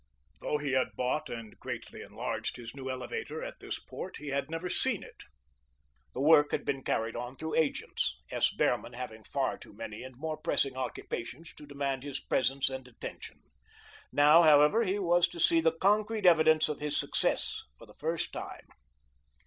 Though he had bought and greatly enlarged his new elevator at this port, he had never seen it. The work had been carried on through agents, S. Behrman having far too many and more pressing occupations to demand his presence and attention. Now, however, he was to see the concrete evidence of his success for the first time.